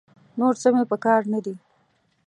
نور څه مې په کار نه دي.